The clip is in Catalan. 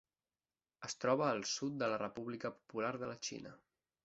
Es troba al sud de la República Popular de la Xina.